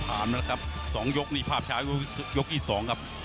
ผ่านแล้วครับสองยกนี่ภาพชายก็ยกอีกสองครับ